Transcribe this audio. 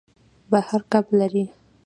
بحر کب لري.